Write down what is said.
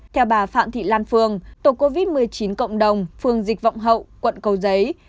theo bà phạm thị lan phường tổ covid một mươi chín cộng đồng phường dịch vọng hậu quận cầu giấy